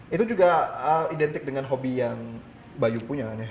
itu juga identik dengan hobi yang bayu punya